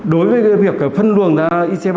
đối với việc phân luồng ra ic ba